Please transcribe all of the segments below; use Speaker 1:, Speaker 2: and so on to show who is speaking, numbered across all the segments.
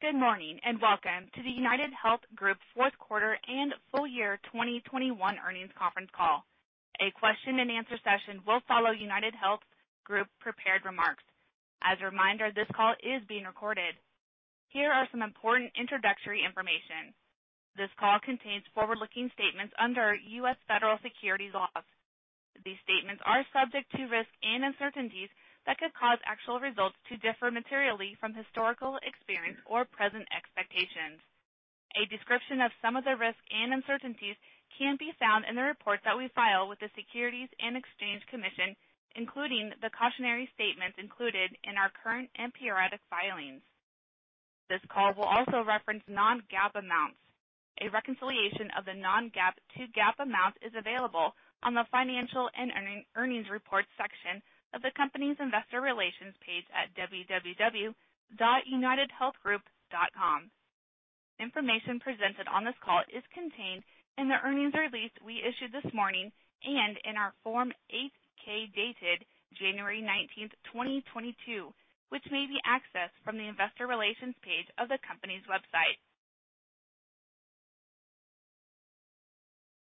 Speaker 1: Good morning, and welcome to the UnitedHealth Group Fourth Quarter and Full Year 2021 Earnings Conference Call. A question-and-answer session will follow UnitedHealth Group prepared remarks. As a reminder, this call is being recorded. Here are some important introductory information. This call contains forward-looking statements under US federal securities laws. These statements are subject to risks and uncertainties that could cause actual results to differ materially from historical experience or present expectations. A description of some of the risks and uncertainties can be found in the reports that we file with the Securities and Exchange Commission, including the cautionary statements included in our current and periodic filings. This call will also reference non-GAAP amounts. A reconciliation of the non-GAAP to GAAP amounts is available on the financial and earnings report section of the company's investor relations page at www.unitedhealthgroup.com. Information presented on this call is contained in the earnings release we issued this morning and in our Form 8-K dated January 19, 2022, which may be accessed from the investor relations page of the company's website.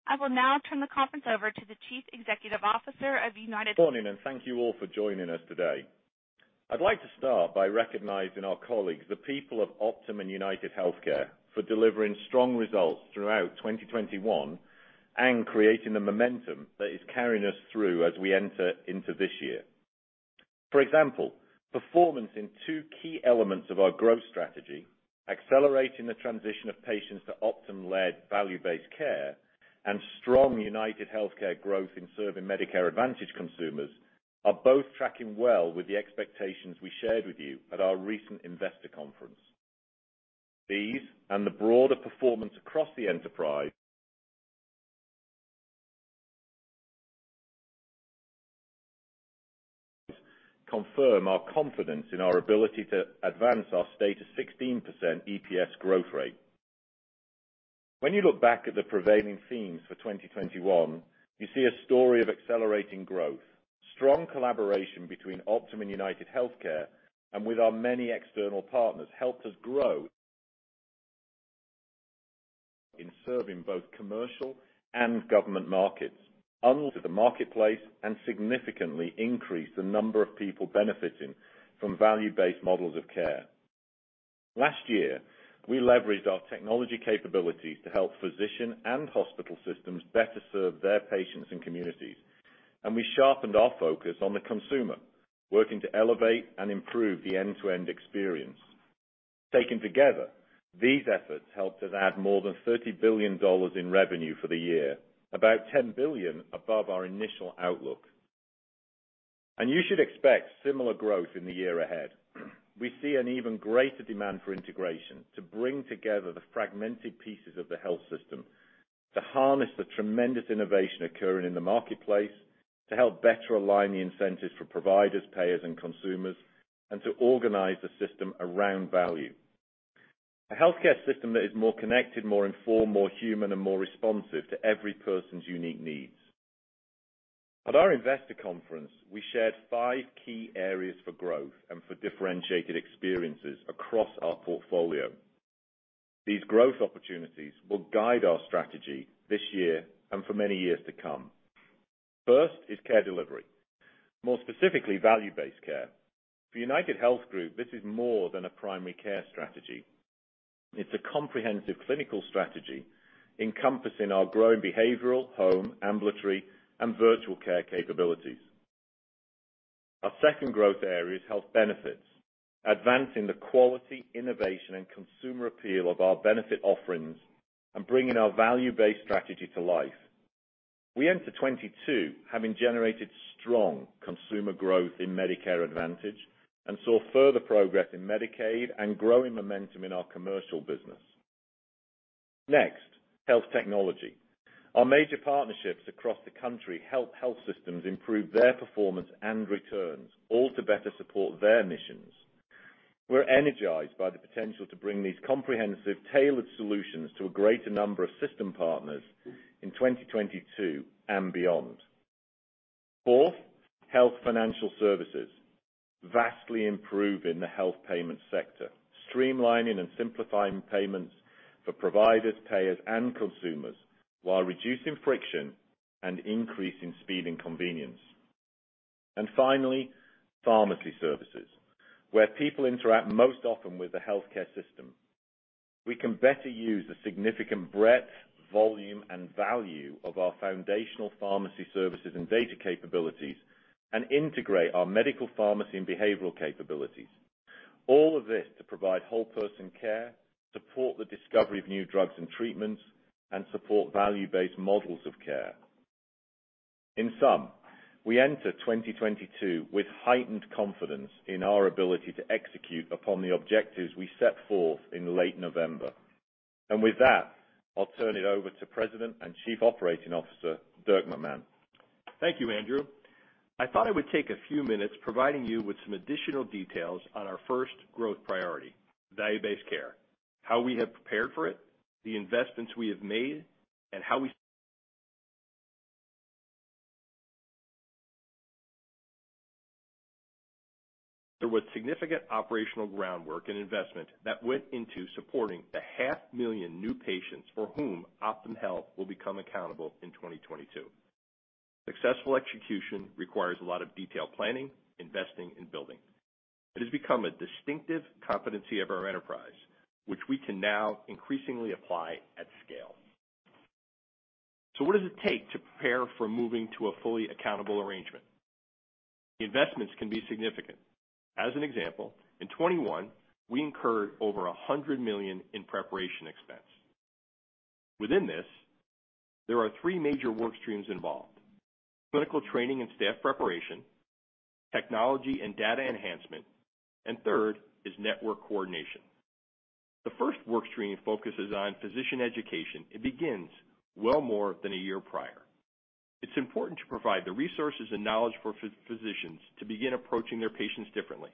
Speaker 1: I will now turn the conference over to the Chief Executive Officer of UnitedHealth Group.
Speaker 2: Morning, and thank you all for joining us today. I'd like to start by recognizing our colleagues, the people of Optum and UnitedHealthcare, for delivering strong results throughout 2021 and creating the momentum that is carrying us through as we enter into this year. For example, performance in two key elements of our growth strategy, accelerating the transition of patients to Optum-led value-based care and strong UnitedHealthcare growth in serving Medicare Advantage consumers, are both tracking well with the expectations we shared with you at our recent investor conference. These and the broader performance across the enterprise confirm our confidence in our ability to advance our stated 16% EPS growth rate. When you look back at the prevailing themes for 2021, you see a story of accelerating growth. Strong collaboration between Optum and UnitedHealthcare and with our many external partners helped us grow, in serving both commercial and government markets into the marketplace and significantly increase the number of people benefiting from value-based models of care. Last year, we leveraged our technology capabilities to help physician and hospital systems better serve their patients and communities, and we sharpened our focus on the consumer, working to elevate and improve the end-to-end experience. Taken together, these efforts helped us add more than $30 billion in revenue for the year, about $10 billion above our initial outlook. You should expect similar growth in the year ahead. We see an even greater demand for integration to bring together the fragmented pieces of the health system to harness the tremendous innovation occurring in the marketplace, to help better align the incentives for providers, payers, and consumers, and to organize the system around value. A healthcare system that is more connected, more informed, more human, and more responsive to every person's unique needs. At our investor conference, we shared five key areas for growth and for differentiated experiences across our portfolio. These growth opportunities will guide our strategy this year and for many years to come. First is care delivery. More specifically, value-based care. For UnitedHealth Group, this is more than a primary care strategy. It's a comprehensive clinical strategy encompassing our growing behavioral, home, ambulatory, and virtual care capabilities. Our second growth area is health benefits, advancing the quality, innovation, and consumer appeal of our benefit offerings and bringing our value-based strategy to life. We enter 2022 having generated strong consumer growth in Medicare Advantage and saw further progress in Medicaid and growing momentum in our commercial business. Next, health technology. Our major partnerships across the country help health systems improve their performance and returns, all to better support their missions. We're energized by the potential to bring these comprehensive, tailored solutions to a greater number of system partners in 2022 and beyond. Fourth, health financial services, vastly improving the health payment sector, streamlining and simplifying payments for providers, payers, and consumers, while reducing friction and increasing speed and convenience. Finally, pharmacy services, where people interact most often with the healthcare system. We can better use the significant breadth, volume, and value of our foundational pharmacy services and data capabilities and integrate our medical pharmacy and behavioral capabilities. All of this to provide whole person care, support the discovery of new drugs and treatments, and support value-based models of care. In sum, we enter 2022 with heightened confidence in our ability to execute upon the objectives we set forth in late November. With that, I'll turn it over to President and Chief Operating Officer, Dirk McMahon.
Speaker 3: Thank you, Andrew. I thought I would take a few minutes providing you with some additional details on our first growth priority, value-based care, how we have prepared for it? The investments we have made. There was significant operational groundwork and investment that went into supporting the 500,000 new patients for whom Optum Health will become accountable in 2022. Successful execution requires a lot of detailed planning, investing, and building. It has become a distinctive competency of our enterprise, which we can now increasingly apply at scale. What does it take to prepare for moving to a fully accountable arrangement? The investments can be significant. As an example, in 2021 we incurred over $100 million in preparation expense. Within this, there are three major work streams involved. Clinical training and staff preparation, technology and data enhancement, and third is network coordination. The first work stream focuses on physician education. It begins well more than a year prior. It's important to provide the resources and knowledge for physicians to begin approaching their patients differently.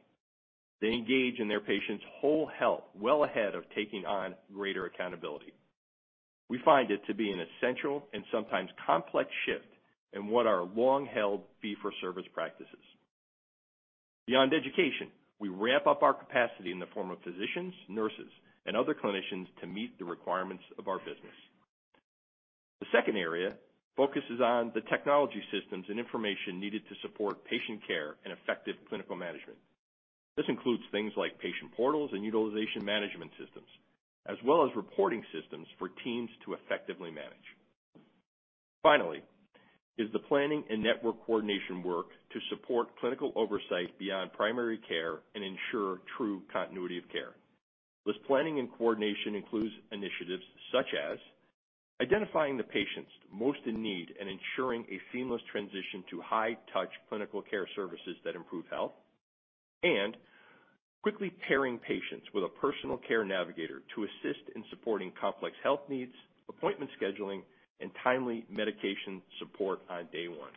Speaker 3: They engage in their patient's whole health well ahead of taking on greater accountability. We find it to be an essential and sometimes complex shift from our long-held fee-for-service practices. Beyond education, we ramp up our capacity in the form of physicians, nurses, and other clinicians to meet the requirements of our business. The second area focuses on the technology systems and information needed to support patient care and effective clinical management. This includes things like patient portals and utilization management systems, as well as reporting systems for teams to effectively manage. Finally, the planning and network coordination work to support clinical oversight beyond primary care and ensure true continuity of care. This planning and coordination includes initiatives such as identifying the patients most in need and ensuring a seamless transition to high touch clinical care services that improve health, and quickly pairing patients with a personal care navigator to assist in supporting complex health needs, appointment scheduling, and timely medication support on day one.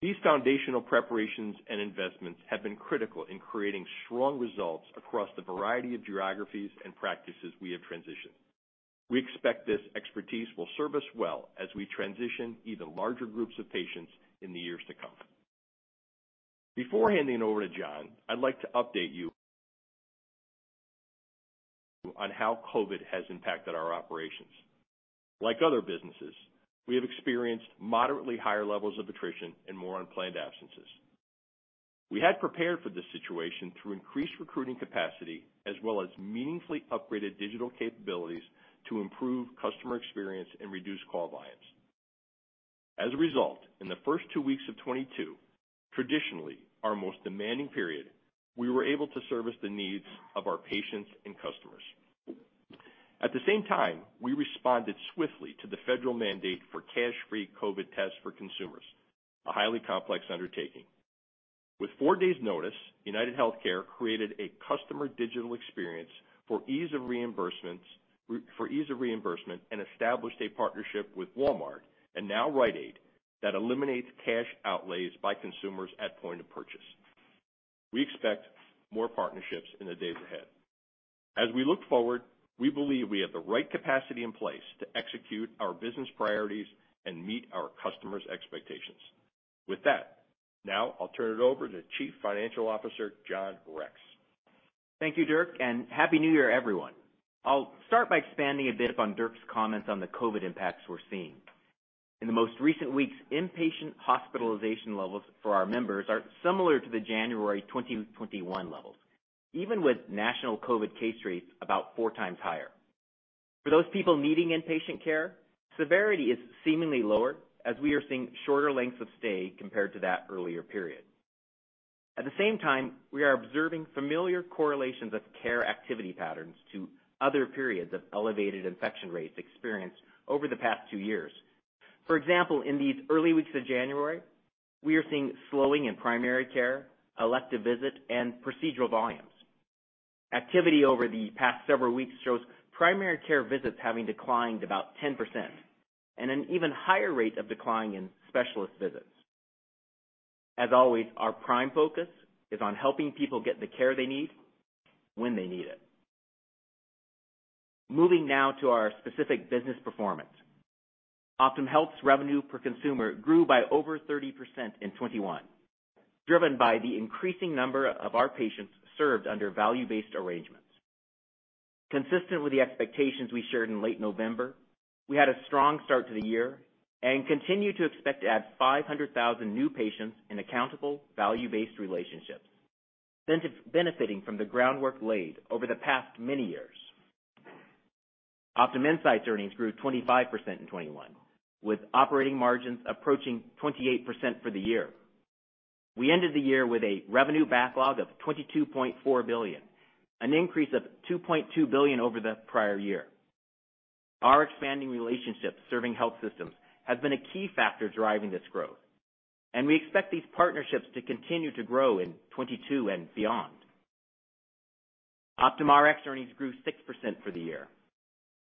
Speaker 3: These foundational preparations and investments have been critical in creating strong results across the variety of geographies and practices we have transitioned. We expect this expertise will serve us well as we transition even larger groups of patients in the years to come. Before handing over to John, I'd like to update you on how COVID has impacted our operations. Like other businesses, we have experienced moderately higher levels of attrition and more unplanned absences. We had prepared for this situation through increased recruiting capacity as well as meaningfully upgraded digital capabilities to improve customer experience and reduce call volumes. As a result, in the first two weeks of 2022, traditionally our most demanding period, we were able to service the needs of our patients and customers. At the same time, we responded swiftly to the federal mandate for cash-free COVID tests for consumers, a highly complex undertaking. With four days notice, UnitedHealthcare created a customer digital experience for ease of reimbursement and established a partnership with Walmart, and now Rite Aid, that eliminates cash outlays by consumers at point of purchase. We expect more partnerships in the days ahead. As we look forward, we believe we have the right capacity in place to execute our business priorities and meet our customers expectations. With that, now I'll turn it over to Chief Financial Officer, John Rex.
Speaker 4: Thank you, Dirk, and Happy New Year, everyone. I'll start by expanding a bit upon Dirk's comments on the COVID impacts we're seeing. In the most recent weeks, inpatient hospitalization levels for our members are similar to the January 2021 levels, even with national COVID case rates about four times higher. For those people needing inpatient care, severity is seemingly lower as we are seeing shorter lengths of stay compared to that earlier period. At the same time, we are observing familiar correlations of care activity patterns to other periods of elevated infection rates experienced over the past two years. For example, in these early weeks of January, we are seeing slowing in primary care, elective visit, and procedural volumes. Activity over the past several weeks shows primary care visits having declined about 10%, and an even higher rate of decline in specialist visits. As always, our prime focus is on helping people get the care they need when they need it. Moving now to our specific business performance. Optum Health's revenue per consumer grew by over 30% in 2021, driven by the increasing number of our patients served under value-based arrangements. Consistent with the expectations we shared in late November, we had a strong start to the year and continue to expect to add 500,000 new patients in accountable value-based relationships, benefiting from the groundwork laid over the past many years. OptumInsight earnings grew 25% in 2021, with operating margins approaching 28% for the year. We ended the year with a revenue backlog of $22.4 billion, an increase of $2.2 billion over the prior year. Our expanding relationships serving health systems has been a key factor driving this growth, and we expect these partnerships to continue to grow in 2022 and beyond. Optum Rx earnings grew 6% for the year,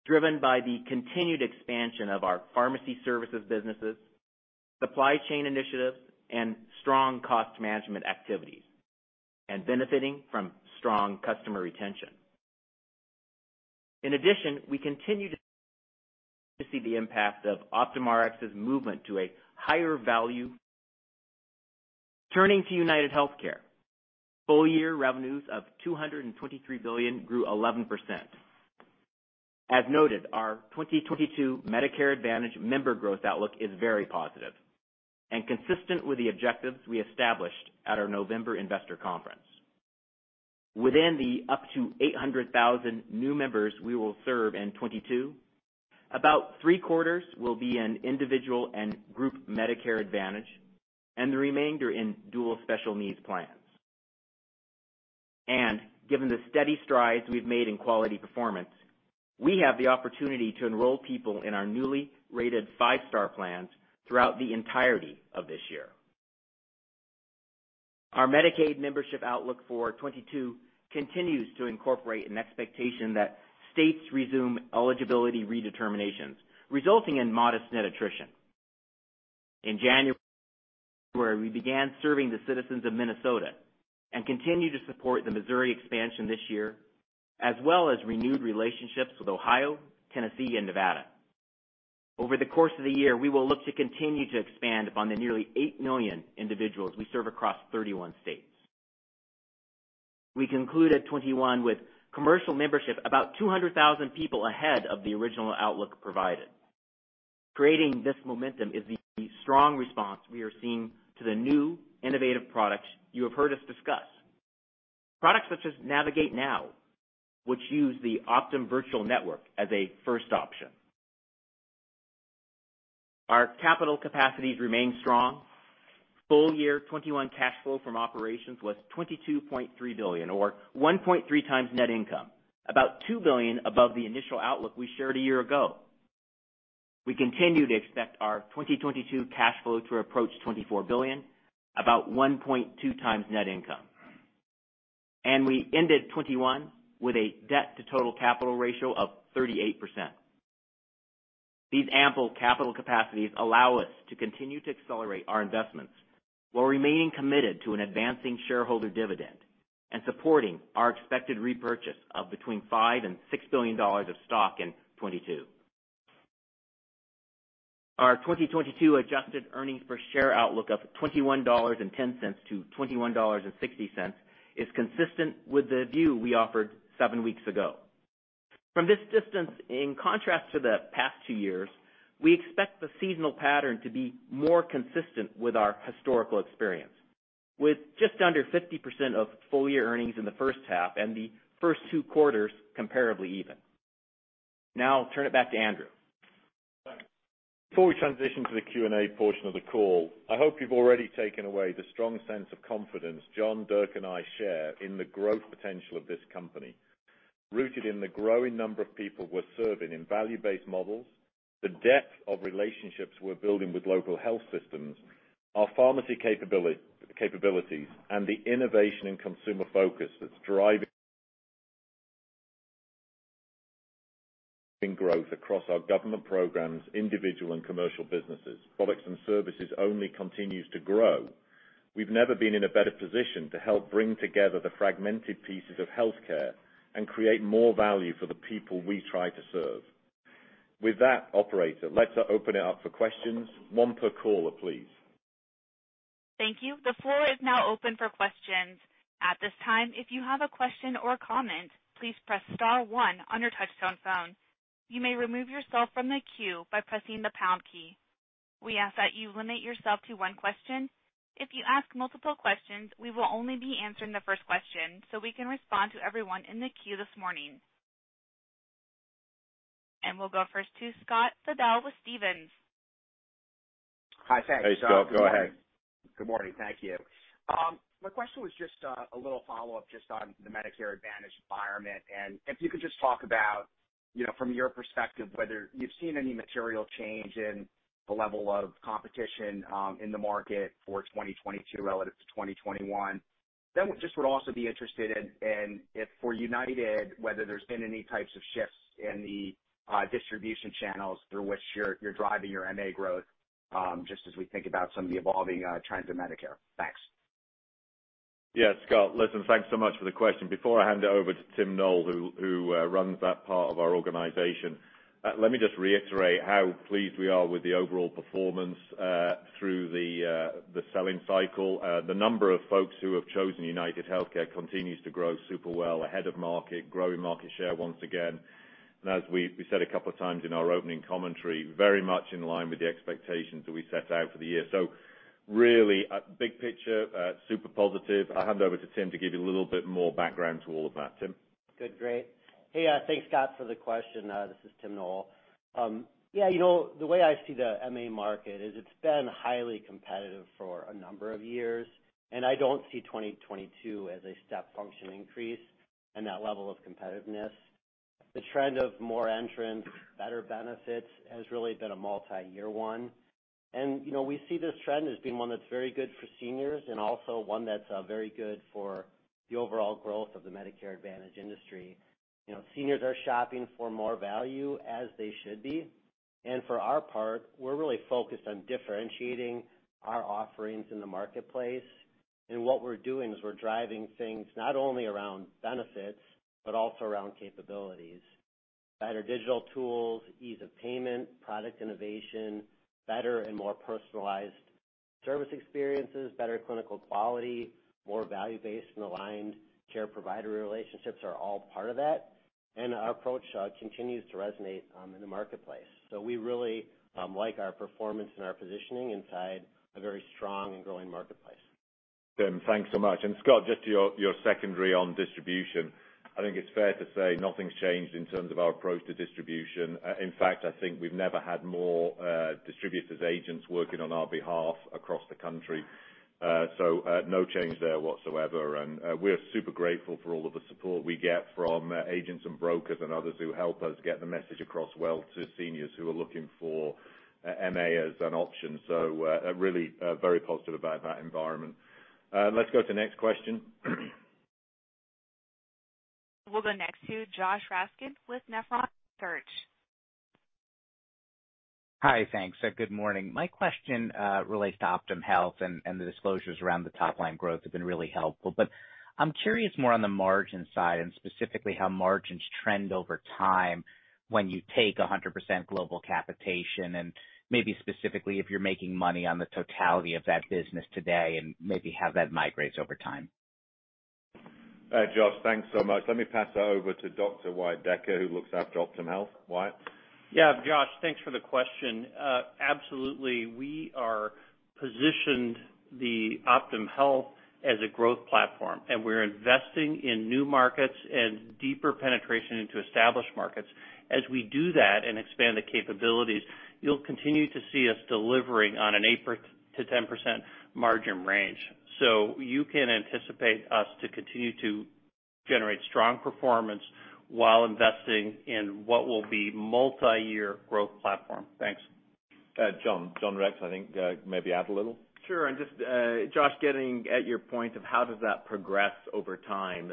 Speaker 4: driven by the continued expansion of our pharmacy services businesses, supply chain initiatives, and strong cost management activities, and benefiting from strong customer retention. In addition, we continue to see the impact of Optum Rx's movement to a higher value. Turning to UnitedHealthcare. Full year revenues of $223 billion grew 11%. As noted, our 2022 Medicare Advantage member growth outlook is very positive and consistent with the objectives we established at our November investor conference. Within the up to 800,000 new members we will serve in 2022, about three-quarters will be in individual and group Medicare Advantage, and the remainder in Dual Special Needs Plans. Given the steady strides we've made in quality performance, we have the opportunity to enroll people in our newly rated five-star plans throughout the entirety of this year. Our Medicaid membership outlook for 2022 continues to incorporate an expectation that states resume eligibility redeterminations, resulting in modest net attrition. In January, we began serving the citizens of Minnesota and continue to support the Missouri expansion this year, as well as renewed relationships with Ohio, Tennessee, and Nevada. Over the course of the year, we will look to continue to expand upon the nearly eight million individuals we serve across 31 states. We concluded 2021 with commercial membership about 200,000 people ahead of the original outlook provided. Creating this momentum is the strong response we are seeing to the new innovative products you have heard us discuss. Products such as NavigateNOW, which use the Optum Virtual Care as a first option. Our capital capacities remain strong. Full year 2021 cash flow from operations was $22.3 billion, or 1.3 times net income. About $2 billion above the initial outlook we shared a year ago. We continue to expect our 2022 cash flow to approach $24 billion, about 1.2 times net income. We ended 2021 with a debt to total capital ratio of 38%. These ample capital capacities allow us to continue to accelerate our investments while remaining committed to an advancing shareholder dividend and supporting our expected repurchase of between $5 billion and $6 billion of stock in 2022. Our 2022 adjusted earnings per share outlook of $21.10-$21.60 is consistent with the view we offered seven weeks ago. From this distance, in contrast to the past two years, we expect the seasonal pattern to be more consistent with our historical experience, with just under 50% of full year earnings in the first half and the first two quarters comparably even. Now I'll turn it back to Andrew.
Speaker 2: Before we transition to the Q&A portion of the call, I hope you've already taken away the strong sense of confidence John, Dirk, and I share in the growth potential of this company, rooted in the growing number of people we're serving in value-based models, the depth of relationships we're building with local health systems, our pharmacy capabilities, and the innovation and consumer focus that's driving growth across our government programs, individual, and commercial businesses. Products and services only continues to grow. We've never been in a better position to help bring together the fragmented pieces of healthcare and create more value for the people we try to serve. With that, operator, let's open it up for questions. One per caller, please.
Speaker 1: Thank you. The floor is now open for questions. At this time, if you have a question or comment, please press star one on your touch-tone phone. You may remove yourself from the queue by pressing the pound key. We ask that you limit yourself to one question. If you ask multiple questions, we will only be answering the first question so we can respond to everyone in the queue this morning. We'll go first to Scott Fidel with Stephens.
Speaker 5: Hi. Thanks.
Speaker 2: Hey, Scott. Go ahead.
Speaker 5: Good morning. Thank you. My question was just a little follow-up just on the Medicare Advantage environment. If you could just talk about, you know, from your perspective, whether you've seen any material change in the level of competition in the market for 2022 relative to 2021. I would also be interested in if for United, whether there's been any types of shifts in the distribution channels through which you're driving your MA growth, just as we think about some of the evolving trends in Medicare. Thanks.
Speaker 2: Yeah, Scott, listen, thanks so much for the question. Before I hand it over to Tim Noel, who runs that part of our organization, let me just reiterate how pleased we are with the overall performance through the selling cycle. The number of folks who have chosen UnitedHealthcare continues to grow super well ahead of market, growing market share once again. As we said a couple of times in our opening commentary, very much in line with the expectations that we set out for the year. Really, big picture, super positive. I'll hand over to Tim to give you a little bit more background to all of that. Tim?
Speaker 6: Good. Great. Hey, thanks, Scott, for the question. This is Tim Noel. Yeah, you know, the way I see the MA market is it's been highly competitive for a number of years, and I don't see 2022 as a step function increase in that level of competitiveness. The trend of more entrants, better benefits has really been a multi-year one. You know, we see this trend as being one that's very good for seniors and also one that's very good for the overall growth of the Medicare Advantage industry. You know, seniors are shopping for more value as they should be. For our part, we're really focused on differentiating our offerings in the marketplace. What we're doing is we're driving things not only around benefits, but also around capabilities. Better digital tools, ease of payment, product innovation, better and more personalized service experiences, better clinical quality, more value-based and aligned care-provider relationships are all part of that, and our approach continues to resonate in the marketplace. We really like our performance and our positioning inside a very strong and growing marketplace.
Speaker 2: Tim, thanks so much. Scott, just to your secondary on distribution. I think it's fair to say nothing's changed in terms of our approach to distribution. In fact, I think we've never had more distributors, agents working on our behalf across the country. No change there whatsoever. We're super grateful for all of the support we get from agents and brokers and others who help us get the message across well to seniors who are looking for MA as an option. Really very positive about that environment. Let's go to the next question.
Speaker 1: We'll go next to Josh Raskin with Nephron Research.
Speaker 7: Hi. Thanks. Good morning. My question relates to Optum Health and the disclosures around the top line growth have been really helpful. I'm curious more on the margin side and specifically how margins trend over time when you take 100% global capitation, and maybe specifically if you're making money on the totality of that business today, and maybe how that migrates over time.
Speaker 2: Josh, thanks so much. Let me pass that over to Dr. Wyatt Decker, who looks after Optum Health. Wyatt?
Speaker 8: Yeah, Josh, thanks for the question. Absolutely, we are positioning Optum Health as a growth platform, and we're investing in new markets and deeper penetration into established markets. As we do that and expand the capabilities, you'll continue to see us delivering on an 8%-10% margin range. You can anticipate us to continue to generate strong performance while investing in what will be a multiyear growth platform. Thanks.
Speaker 2: John Rex, I think, maybe add a little.
Speaker 4: Sure. Just, Josh, getting at your point of how does that progress over time.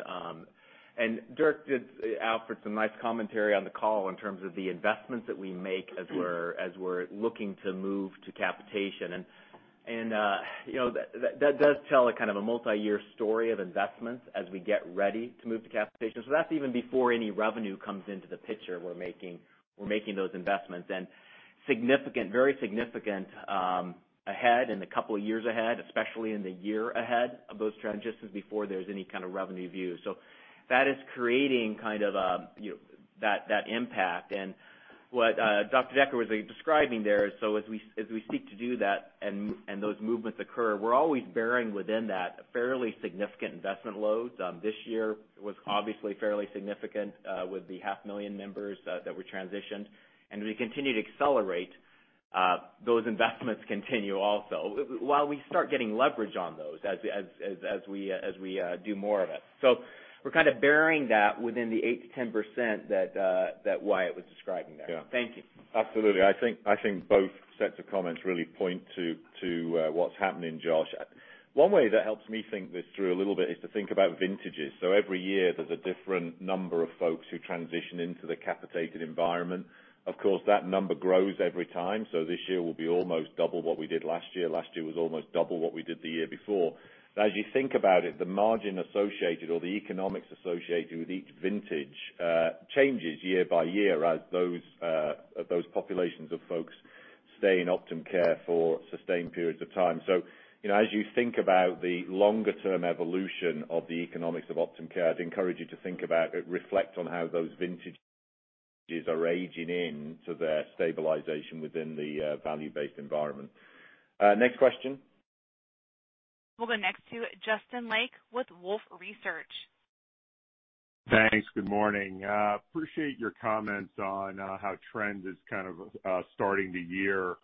Speaker 4: Dirk did offer some nice commentary on the call in terms of the investments that we make as we're looking to move to capitation. You know, that does tell a kind of a multiyear story of investments as we get ready to move to capitation. That's even before any revenue comes into the picture, we're making those investments. Significant, very significant, ahead in the couple of years ahead, especially in the year ahead of those transitions before there's any kind of revenue view. That is creating kind of that impact. What, Dr. Decker was describing there, as we seek to do that and those movements occur, we're always bearing within that fairly significant investment loads. This year was obviously fairly significant with the 500,000 members that were transitioned. We continue to accelerate, those investments continue also while we start getting leverage on those as we do more of it. We're kind of bearing that within the 8%-10% that Wyatt was describing there.
Speaker 7: Yeah. Thank you.
Speaker 2: Absolutely. I think both sets of comments really point to what's happening, Josh. One way that helps me think this through a little bit is to think about vintages. Every year, there's a different number of folks who transition into the capitated environment. Of course, that number grows every time, so this year will be almost double what we did last year. Last year was almost double what we did the year before. As you think about it, the margin associated or the economics associated with each vintage changes year-by-year as those populations of folks stay in Optum Care for sustained periods of time. You know, as you think about the longer term evolution of the economics of Optum Care, I'd encourage you to reflect on how those vintages are aging into their stabilization within the value-based environment. Next question.
Speaker 1: We'll go next to Justin Lake with Wolfe Research.
Speaker 9: Thanks. Good morning. Appreciate your comments on how trend is kind of starting the year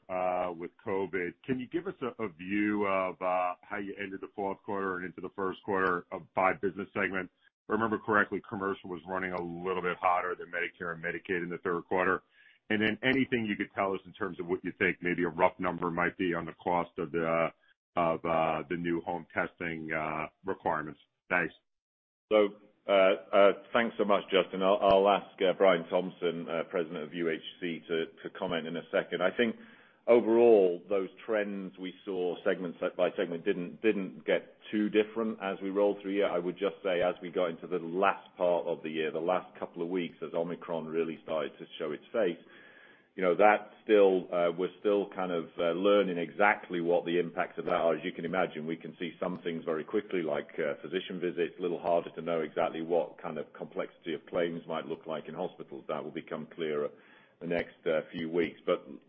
Speaker 9: with COVID. Can you give us a view of how you ended the fourth quarter and into the first quarter of five business segments? Remember correctly, commercial was running a little bit hotter than Medicare and Medicaid in the third quarter. Anything you could tell us in terms of what you think maybe a rough number might be on the cost of the new home testing requirements. Thanks.
Speaker 2: Thanks so much, Justin. I'll ask Brian Thompson, president of UHC, to comment in a second. I think overall those trends we saw segment by segment didn't get too different as we rolled through here. I would just say as we got into the last part of the year, the last couple of weeks, as Omicron really started to show its face, you know, that still we're still kind of learning exactly what the impact of that. As you can imagine, we can see some things very quickly, like physician visits, a little harder to know exactly what kind of complexity of claims might look like in hospitals. That will become clearer the next few weeks.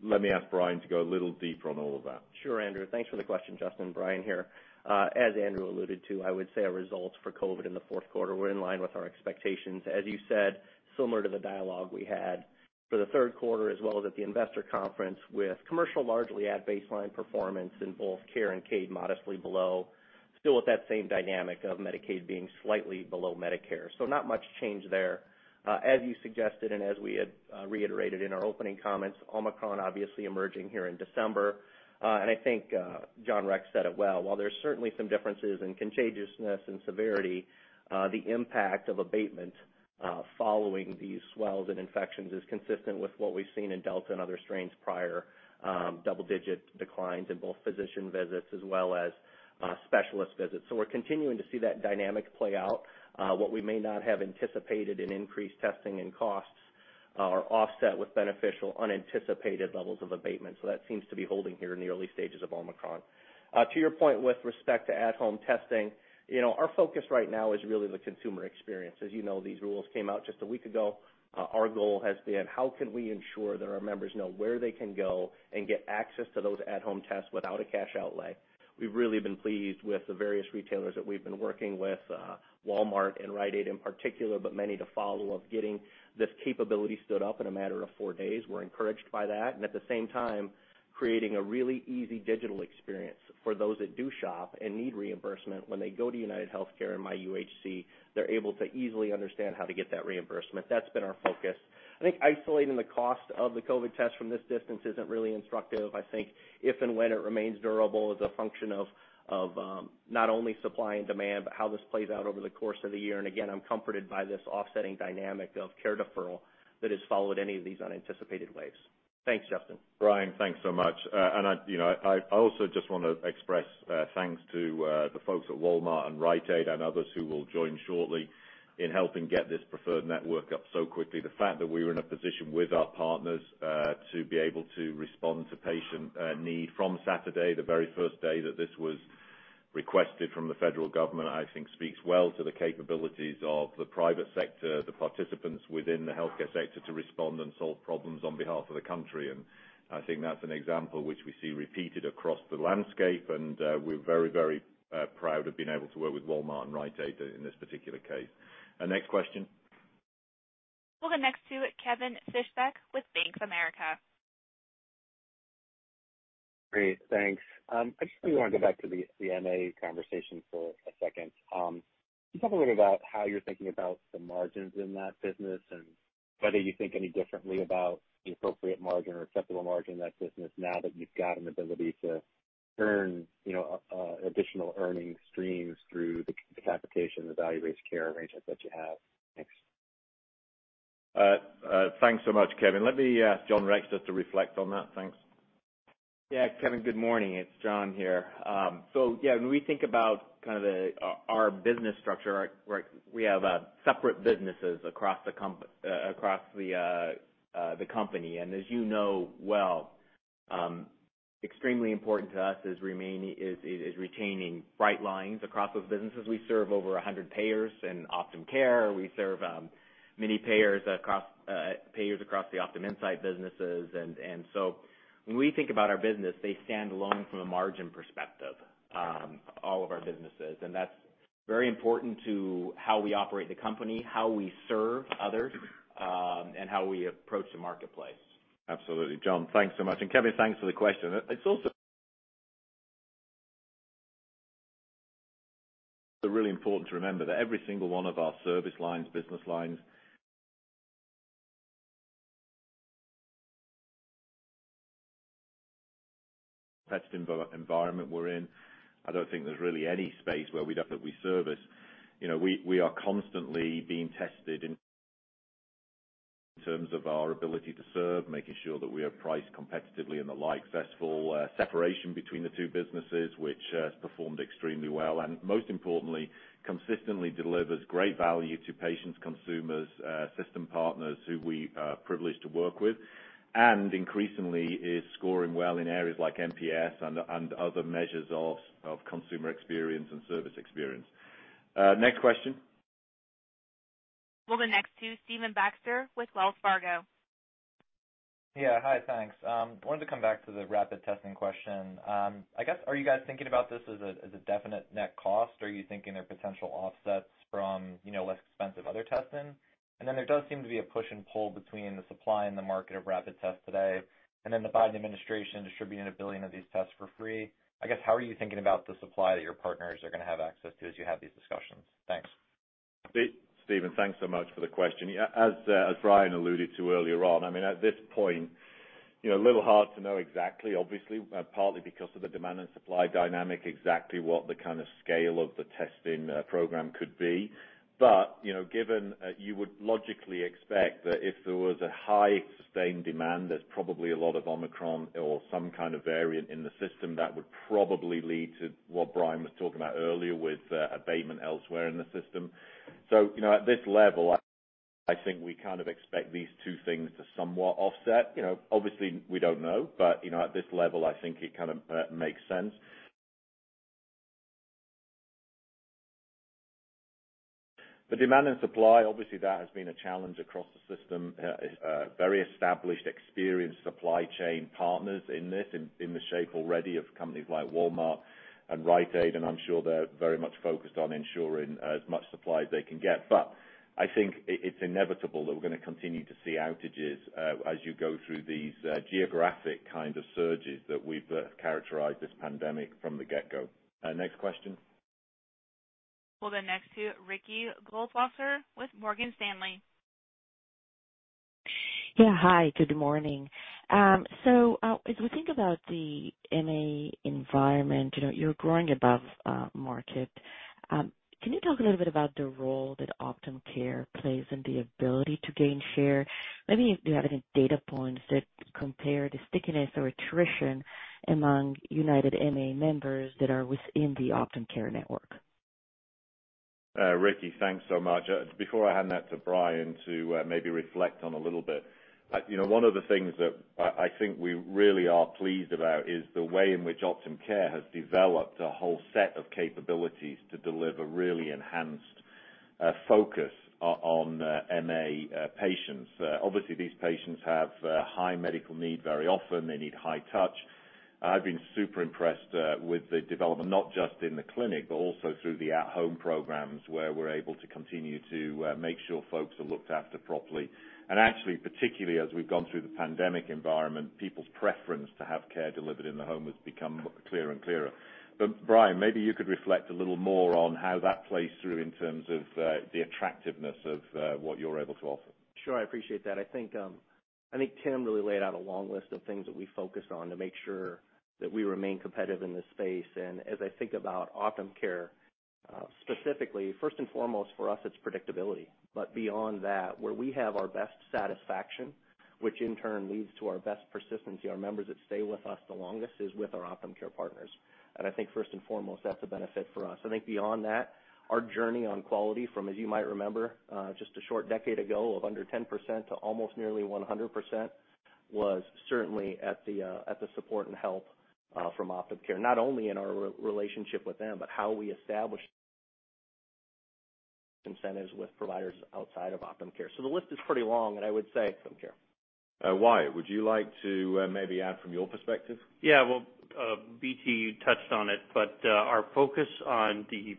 Speaker 2: Let me ask Brian to go a little deeper on all of that.
Speaker 10: Sure, Andrew. Thanks for the question, Justin. Brian here. As Andrew alluded to, I would say our results for COVID in the fourth quarter were in line with our expectations. As you said, similar to the dialogue we had for the third quarter as well as at the investor conference, with commercial largely at baseline performance in both care and caid modestly below, still with that same dynamic of Medicaid being slightly below Medicare. Not much change there. As you suggested and as we had reiterated in our opening comments, Omicron obviously emerging here in December. I think, John Rex said it well. While there's certainly some differences in contagiousness and severity, the impact of abatement following these swells and infections is consistent with what we've seen in Delta and other strains prior, double digit declines in both physician visits as well as specialist visits. We're continuing to see that dynamic play out. What we may not have anticipated in increased testing and costs are offset with beneficial unanticipated levels of abatement. That seems to be holding here in the early stages of Omicron. To your point with respect to at-home testing, you know, our focus right now is really the consumer experience. As you know, these rules came out just a week ago. Our goal has been how can we ensure that our members know where they can go and get access to those at-home tests without a cash outlay. We've really been pleased with the various retailers that we've been working with, Walmart and Rite Aid in particular, but many to follow, of getting this capability stood up in a matter of four days. We're encouraged by that, and at the same time, creating a really easy digital experience for those that do shop and need reimbursement. When they go to UnitedHealthcare and myuhc, they're able to easily understand how to get that reimbursement. That's been our focus. I think isolating the cost of the COVID test from this distance isn't really instructive. I think if and when it remains durable is a function of not only supply and demand, but how this plays out over the course of the year. Again, I'm comforted by this offsetting dynamic of care deferral that has followed any of these unanticipated waves. Thanks, Justin.
Speaker 2: Brian, thanks so much. You know, I also just wanna express thanks to the folks at Walmart and Rite Aid and others who will join shortly in helping get this preferred network up so quickly. The fact that we were in a position with our partners to be able to respond to patient need from Saturday, the very first day that this was requested from the federal government, I think speaks well to the capabilities of the private sector, the participants within the healthcare sector to respond and solve problems on behalf of the country. I think that's an example which we see repeated across the landscape, and we're very proud of being able to work with Walmart and Rite Aid in this particular case. Next question.
Speaker 1: We'll go next to Kevin Fischbeck with Bank of America.
Speaker 11: Great. Thanks. I just really wanna go back to the MA conversation for a second. Can you talk a little bit about how you're thinking about the margins in that business and whether you think any differently about the appropriate margin or acceptable margin in that business now that you've got an ability to earn, you know, additional earning streams through the capitation and the value-based care arrangements that you have? Thanks.
Speaker 2: Thanks so much, Kevin. Let me John Rex just to reflect on that. Thanks.
Speaker 4: Yeah. Kevin, good morning. It's John here. When we think about our business structure, we have separate businesses across the company. As you know well, extremely important to us is retaining bright lines across those businesses. We serve over 100 payers in Optum Care. We serve many payers across the OptumInsight businesses. When we think about our business, they stand alone from a margin perspective, all of our businesses. That's very important to how we operate the company, how we serve others, and how we approach the marketplace.
Speaker 2: Absolutely. John, thanks so much. Kevin, thanks for the question. It's also really important to remember that every single one of our service lines, business lines, competitive environment we're in. I don't think there's really any space where we have definite service. You know, we are constantly being tested in terms of our ability to serve, making sure that we are priced competitively and the like. Successful separation between the two businesses, which has performed extremely well, and most importantly, consistently delivers great value to patients, consumers, system partners who we are privileged to work with, and increasingly is scoring well in areas like NPS and other measures of consumer experience and service experience. Next question.
Speaker 1: We'll go next to Stephen Baxter with Wells Fargo.
Speaker 12: Yeah. Hi, thanks. Wanted to come back to the rapid testing question. I guess, are you guys thinking about this as a definite net cost? Are you thinking there are potential offsets from, you know, less expensive other testing? There does seem to be a push and pull between the supply and the market of rapid tests today, and then the Biden administration distributing one billion of these tests for free. I guess, how are you thinking about the supply that your partners are gonna have access to as you have these discussions? Thanks.
Speaker 2: Stephen, thanks so much for the question. As Brian alluded to earlier on, I mean, at this point, you know, a little hard to know exactly, obviously, partly because of the demand and supply dynamic, exactly what the kind of scale of the testing program could be. You know, given you would logically expect that if there was a high sustained demand, there's probably a lot of Omicron or some kind of variant in the system that would probably lead to what Brian was talking about earlier with abatement elsewhere in the system. You know, at this level, I think we kind of expect these two things to somewhat offset. You know, obviously we don't know, but you know, at this level, I think it kind of makes sense. The demand and supply, obviously, that has been a challenge across the system. Very established experienced supply chain partners in this, the shape already of companies like Walmart and Rite Aid, and I'm sure they're very much focused on ensuring as much supply as they can get. I think it's inevitable that we're gonna continue to see outages, as you go through these, geographic kinds of surges that we've characterized this pandemic from the get-go. Next question.
Speaker 1: We'll go next to Ricky Goldwasser with Morgan Stanley.
Speaker 13: Yeah. Hi. Good morning. As we think about the MA environment, you know, you're growing above market. Can you talk a little bit about the role that Optum Care plays in the ability to gain share? Maybe do you have any data points that compare the stickiness or attrition among United MA members that are within the Optum Care network?
Speaker 2: Ricky, thanks so much. Before I hand that to Brian to maybe reflect on a little bit, you know, one of the things that I think we really are pleased about is the way in which Optum Care has developed a whole set of capabilities to deliver really enhanced focus on MA patients. Obviously, these patients have high medical need very often. They need high touch. I've been super impressed with the development, not just in the clinic, but also through the at-home programs where we're able to continue to make sure folks are looked after properly. Actually, particularly as we've gone through the pandemic environment, people's preference to have care delivered in the home has become clearer and clearer. Brian, maybe you could reflect a little more on how that plays through in terms of, the attractiveness of, what you're able to offer.
Speaker 10: Sure. I appreciate that. I think Tim really laid out a long list of things that we focus on to make sure that we remain competitive in this space. As I think about Optum Care, specifically, first and foremost, for us, it's predictability. But beyond that, where we have our best satisfaction, which in turn leads to our best persistency, our members that stay with us the longest, is with our Optum Care partners. I think first and foremost, that's a benefit for us. I think beyond that, our journey on quality from, as you might remember, just a short decade ago of under 10% to almost nearly 100% was certainly at the support and help from Optum Care, not only in our relationship with them, but how we establish incentives with providers outside of Optum Care. The list is pretty long, and I would say Optum Care.
Speaker 2: Wyatt, would you like to maybe add from your perspective?
Speaker 8: Yeah. Well, BT, you touched on it, but, our focus on the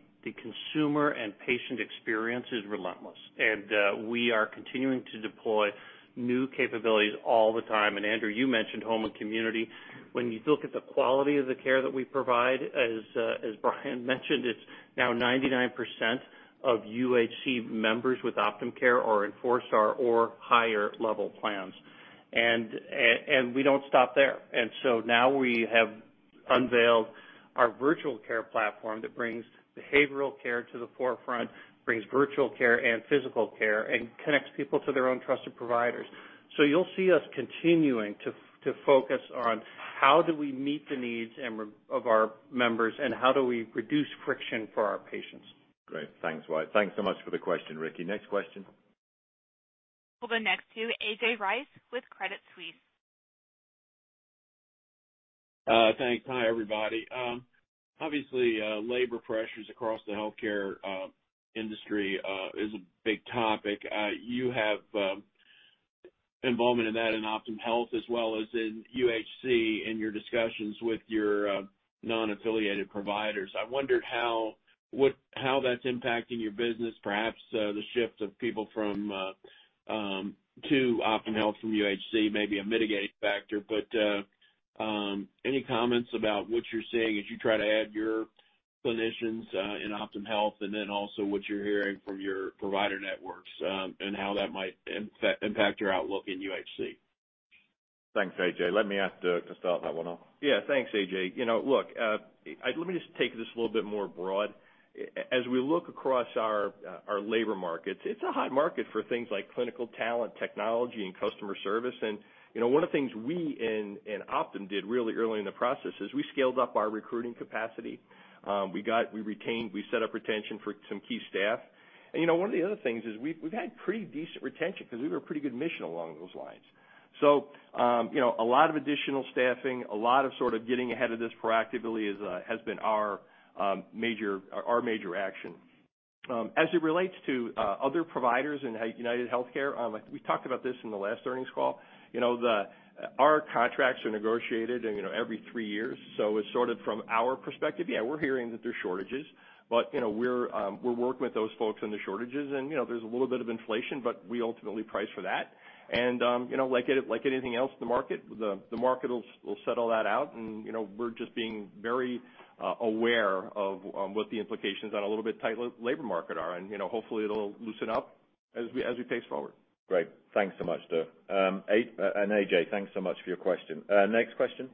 Speaker 8: consumer and patient experience is relentless, and, we are continuing to deploy new capabilities all the time. Andrew, you mentioned home and community. When you look at the quality of the care that we provide, as Brian mentioned, it's now 99% of UHC members with Optum Care are in four star or higher level plans. We don't stop there. Now we have unveiled our virtual care platform that brings behavioral care to the forefront, brings virtual care and physical care, and connects people to their own trusted providers. You'll see us continuing to focus on how we meet the needs of our members, and how we reduce friction for our patients.
Speaker 2: Great. Thanks, Wyatt. Thanks so much for the question, Ricky. Next question.
Speaker 1: We'll go next to A.J. Rice with Credit Suisse.
Speaker 14: Thanks. Hi, everybody. Obviously, labor pressures across the healthcare industry is a big topic. You have involvement in that in Optum Health as well as in UHC in your discussions with your non-affiliated providers. I wondered how that's impacting your business. Perhaps the shift of people to Optum Health from UHC may be a mitigating factor, but any comments about what you're seeing as you try to add your clinicians in Optum Health and then also what you're hearing from your provider networks and how that might impact your outlook in UHC.
Speaker 2: Thanks, A.J. Let me ask Dirk to start that one off.
Speaker 3: Yeah. Thanks, A.J. You know, look, let me just take this a little bit more broad. As we look across our labor markets, it's a hot market for things like clinical talent, technology and customer service. You know, one of the things we and Optum did really early in the process is we scaled up our recruiting capacity. We retained, we set up retention for some key staff. You know, one of the other things is we've had pretty decent retention 'cause we have a pretty good mission along those lines. You know, a lot of additional staffing, a lot of sort of getting ahead of this proactively has been our major action. As it relates to other providers in UnitedHealthcare, we talked about this in the last earnings call. You know, our contracts are negotiated, you know, every three years. It's sort of from our perspective, yeah, we're hearing that there's shortages, but, you know, we're working with those folks on the shortages and, you know, there's a little bit of inflation, but we ultimately price for that. You know, like anything else in the market, the market will settle that out. You know, we're just being very aware of what the implications on a little bit tight labor market are. You know, hopefully it'll loosen up as we pace forward.
Speaker 2: Great. Thanks so much, Dirk McMahon. A.J. Rice, thanks so much for your question. Next question?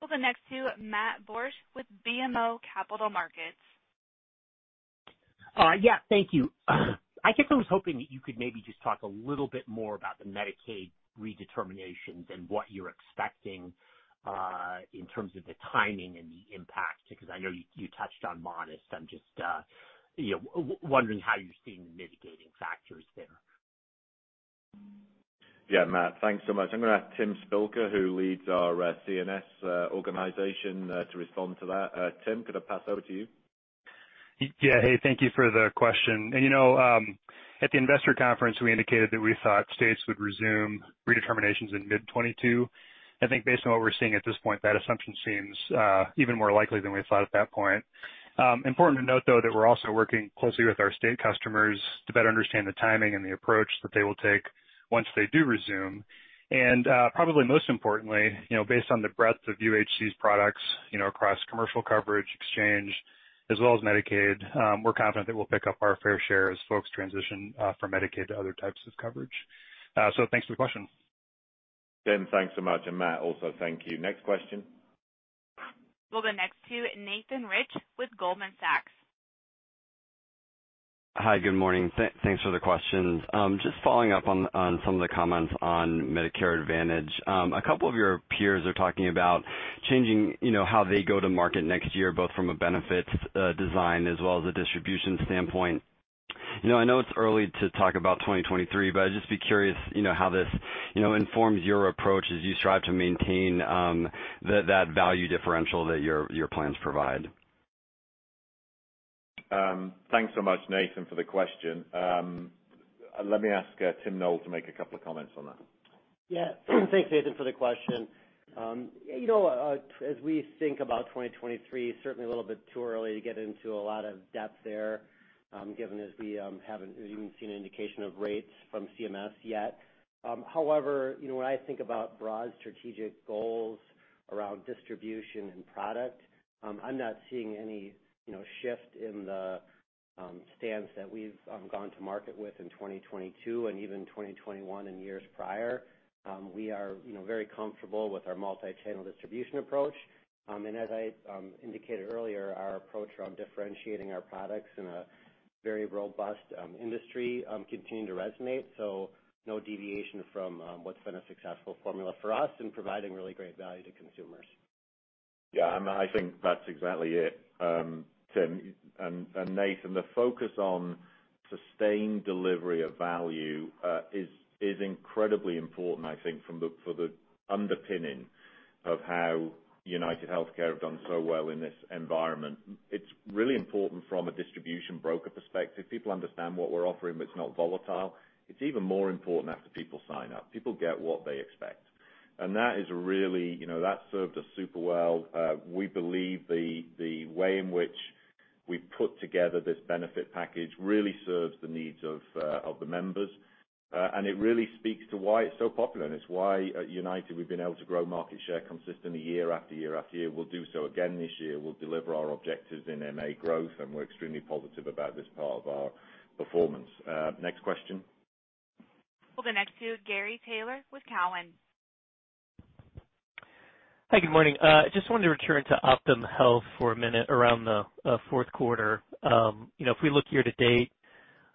Speaker 1: We'll go next to Matt Borsch with BMO Capital Markets.
Speaker 15: Yeah, thank you. I guess I was hoping that you could maybe just talk a little bit more about the Medicaid redeterminations and what you're expecting in terms of the timing and the impact, because I know you touched on modest. I'm just, you know, wondering how you're seeing the mitigating factors there.
Speaker 2: Yeah, Matt, thanks so much. I'm gonna ask Tim Spilker, who leads our C&S organization, to respond to that. Tim, could I pass over to you?
Speaker 16: Yeah. Hey, thank you for the question. You know, at the investor conference, we indicated that we thought states would resume redeterminations in mid-2022. I think based on what we're seeing at this point, that assumption seems even more likely than we thought at that point. Important to note, though, that we're also working closely with our state customers to better understand the timing and the approach that they will take once they do resume. Probably most importantly, you know, based on the breadth of UHC's products, across commercial coverage, exchange, as well as Medicaid, we're confident that we'll pick up our fair share as folks transition from Medicaid to other types of coverage. Thanks for the question.
Speaker 2: Tim, thanks so much, and Matt also, thank you. Next question.
Speaker 1: We'll go next to Nathan Rich with Goldman Sachs.
Speaker 17: Hi, good morning. Thanks for the questions. Just following up on some of the comments on Medicare Advantage. A couple of your peers are talking about changing, you know, how they go to market next year, both from a benefits design as well as a distribution standpoint. You know, I know it's early to talk about 2023, but I'd just be curious, you know, how this, you know, informs your approach as you strive to maintain that value differential that your plans provide.
Speaker 2: Thanks so much, Nathan, for the question. Let me ask Tim Noel to make a couple of comments on that.
Speaker 6: Yeah. Thanks, Nathan, for the question. You know, as we think about 2023, certainly a little bit too early to get into a lot of depth there, given as we haven't even seen an indication of rates from CMS yet. However, you know, when I think about broad strategic goals around distribution and product, I'm not seeing any, you know, shift in the stance that we've gone to market with in 2022 and even 2021 and years prior. We are, you know, very comfortable with our multi-channel distribution approach. As I indicated earlier, our approach around differentiating our products in a very robust industry continue to resonate. No deviation from what's been a successful formula for us and providing really great value to consumers.
Speaker 2: Yeah, I think that's exactly it, Tim. Nathan, the focus on sustained delivery of value is incredibly important, I think from the underpinning of how UnitedHealthcare have done so well in this environment. It's really important from a distribution broker perspective. People understand what we're offering, but it's not volatile. It's even more important after people sign up. People get what they expect. That is really, you know, that served us super well. We believe the way in which we put together this benefit package really serves the needs of the members. It really speaks to why it's so popular and it's why at United, we've been able to grow market share consistently year after year after year. We'll do so again this year. We'll deliver our objectives in MA growth, and we're extremely positive about this part of our performance. Next question.
Speaker 1: We'll go next to Gary Taylor with Cowen.
Speaker 18: Hi, good morning. Just wanted to return to Optum Health for a minute around the fourth quarter. You know, if we look year to date,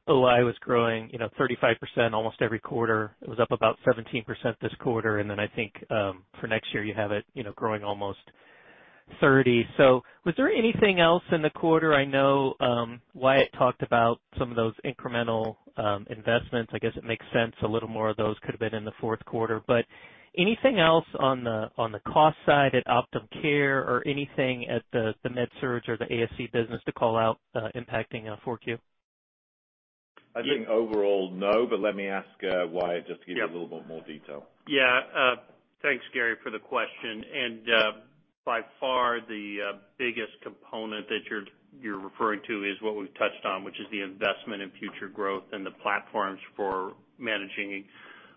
Speaker 18: OI was growing, you know, 35% almost every quarter. It was up about 17% this quarter. I think, for next year, you have it, you know, growing almost 30%. Was there anything else in the quarter? I know, Wyatt talked about some of those incremental investments. I guess it makes sense a little more of those could have been in the fourth quarter. Anything else on the cost side at Optum Care or anything at the MedSurg or the ASC business to call out, impacting 4Q?
Speaker 2: I think overall, no, but let me ask, Wyatt just to give you a little bit more detail.
Speaker 8: Yeah. Thanks, Gary, for the question. By far the biggest component that you're referring to is what we've touched on, which is the investment in future growth and the platforms for managing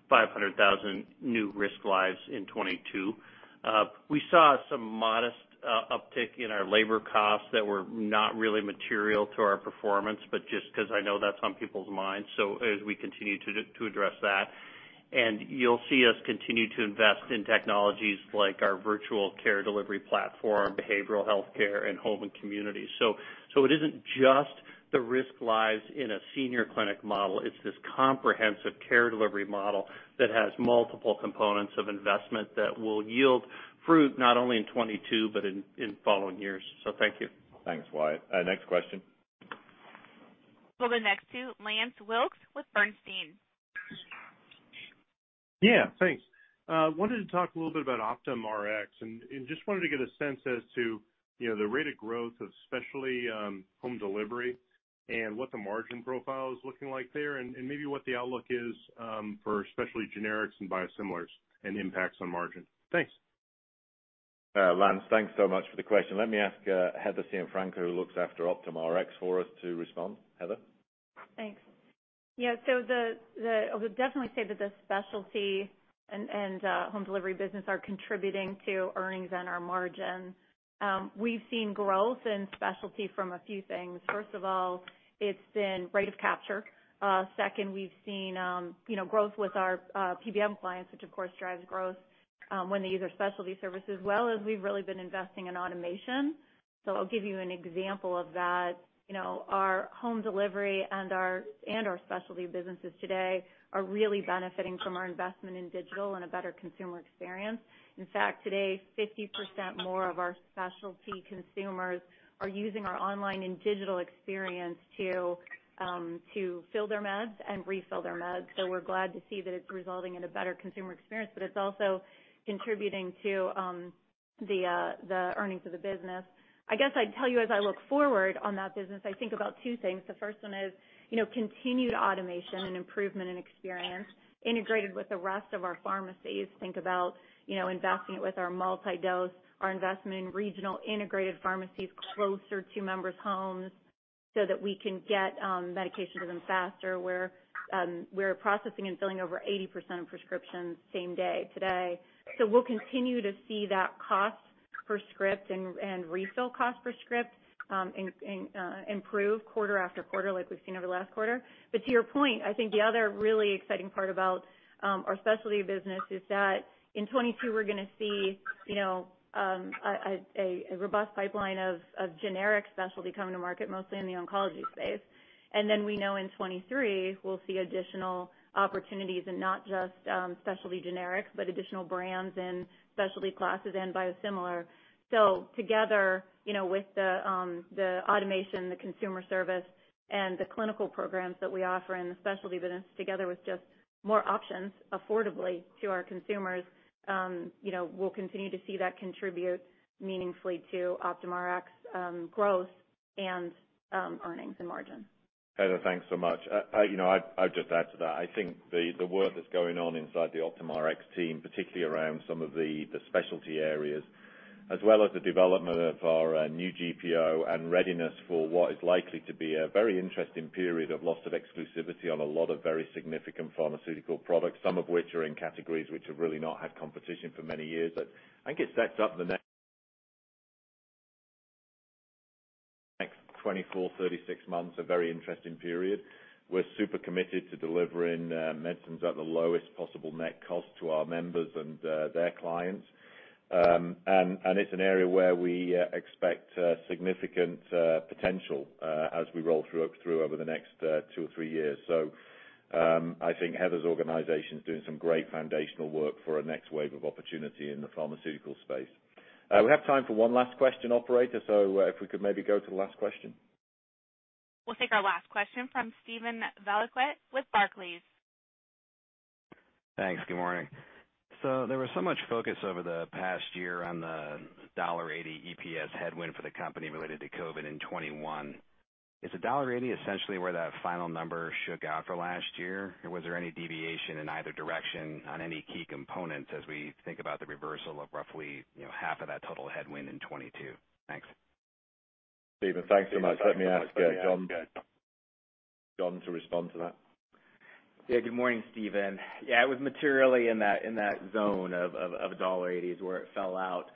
Speaker 8: 500,000 new risk lives in 2022. We saw some modest uptick in our labor costs that were not really material to our performance, but just 'cause I know that's on people's minds. As we continue to address that. You'll see us continue to invest in technologies like our virtual care delivery platform, behavioral health care, and home and community. It isn't just the risk lives in a senior clinic model. It's this comprehensive care delivery model that has multiple components of investment that will yield fruit not only in 2022, but in following years. Thank you.
Speaker 2: Thanks, Wyatt. Next question.
Speaker 1: We'll go next to Lance Wilkes with Bernstein.
Speaker 19: Yeah, thanks. I wanted to talk a little bit about Optum Rx and I just wanted to get a sense as to, you know, the rate of growth of especially home delivery and what the margin profile is looking like there, and maybe what the outlook is for especially generics and biosimilars and impacts on margin. Thanks.
Speaker 2: Lance, thanks so much for the question. Let me ask, Heather Cianfrocco, who looks after Optum Rx for us to respond. Heather?
Speaker 20: Thanks. Yeah, I would definitely say that the specialty and home delivery business are contributing to earnings and our margins. We've seen growth in specialty from a few things. First of all, it's been rate of capture. Second, we've seen you know, growth with our PBM clients, which of course drives growth when they use our specialty services. Well, as we've really been investing in automation. I'll give you an example of that. You know, our home delivery and our specialty businesses today are really benefiting from our investment in digital and a better consumer experience. In fact, today, 50% more of our specialty consumers are using our online and digital experience to fill their meds and refill their meds. We're glad to see that it's resulting in a better consumer experience, but it's also contributing to the earnings of the business. I guess I'd tell you as I look forward on that business, I think about two things. The first one is continued automation and improvement in experience integrated with the rest of our pharmacies. Think about investing it with our multi-dose, our investment in regional integrated pharmacies closer to members' homes so that we can get medication to them faster. We're processing and filling over 80% of prescriptions same day today. We'll continue to see that cost Per script and refill cost per script improve quarter-after-quarter, like we've seen over the last quarter. To your point, I think the other really exciting part about our specialty business is that in 2022, we're gonna see you know a robust pipeline of generic specialty coming to market, mostly in the oncology space. Then we know in 2023, we'll see additional opportunities in not just specialty generics, but additional brands and specialty classes and biosimilar. Together you know with the automation, the consumer service, and the clinical programs that we offer in the specialty business, together with just more options affordably to our consumers you know we'll continue to see that contribute meaningfully to Optum Rx growth and earnings and margins.
Speaker 2: Heather, thanks so much. You know, I'd just add to that. I think the work that's going on inside the Optum Rx team, particularly around some of the specialty areas, as well as the development of our new GPO and readiness for what is likely to be a very interesting period of loss of exclusivity on a lot of very significant pharmaceutical products, some of which are in categories which have really not had competition for many years. I think it sets up the next 24, 36 months, a very interesting period. We're super committed to delivering medicines at the lowest possible net cost to our members and their clients. It's an area where we expect significant potential as we roll through the next two or three years. I think Heather's organization's doing some great foundational work for a next wave of opportunity in the pharmaceutical space. We have time for one last question, operator, if we could maybe go to the last question.
Speaker 1: We'll take our last question from Steven Valiquette with Barclays.
Speaker 21: Thanks. Good morning. There was so much focus over the past year on the $0.80 EPS headwind for the company related to COVID in 2021. Is the $0.80 essentially where that final number shook out for last year? Or was there any deviation in either direction on any key components as we think about the reversal of roughly, you know, half of that total headwind in 2022? Thanks.
Speaker 2: Steven, thanks so much. Let me ask, John to respond to that.
Speaker 4: Yeah, good morning, Steven. Yeah, it was materially in that zone of $1.80 where it fell out.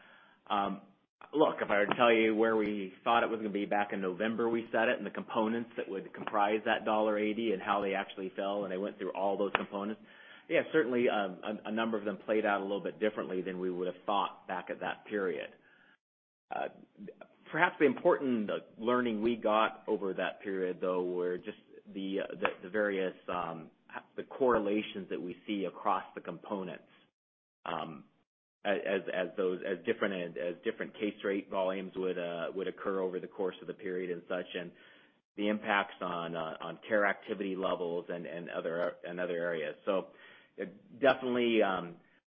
Speaker 4: Look, if I were to tell you where we thought it was gonna be back in November, we said it and the components that would comprise that $1.80 and how they actually fell, and they went through all those components. Yeah, certainly, a number of them played out a little bit differently than we would've thought back at that period. Perhaps the important learning we got over that period, though, were just the various correlations that we see across the components, as different case rate volumes would occur over the course of the period and such, and the impacts on care activity levels and other areas. Definitely,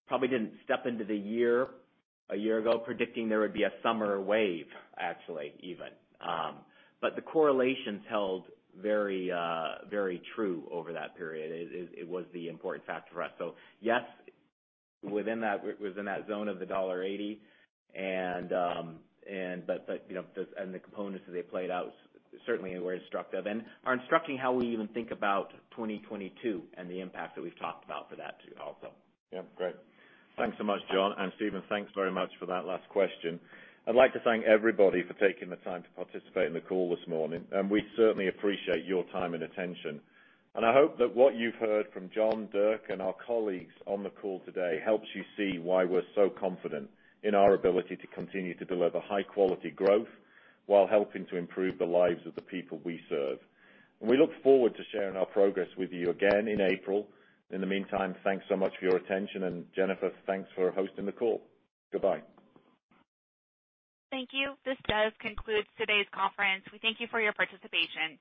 Speaker 4: probably didn't step into the year a year ago predicting there would be a summer wave, actually, even. But the correlations held very true over that period. It was the important factor for us. Yes, within that zone of the $1.80 and You know, and the components as they played out certainly were instructive and are instructing how we even think about 2022 and the impact that we've talked about for that too also.
Speaker 2: Yeah. Great. Thanks so much, John, and Steven, thanks very much for that last question. I'd like to thank everybody for taking the time to participate in the call this morning, and we certainly appreciate your time and attention. I hope that what you've heard from John, Dirk, and our colleagues on the call today helps you see why we're so confident in our ability to continue to deliver high quality growth while helping to improve the lives of the people we serve. We look forward to sharing our progress with you again in April. In the meantime, thanks so much for your attention, and Jennifer, thanks for hosting the call. Goodbye.
Speaker 1: Thank you. This does conclude today's conference. We thank you for your participation.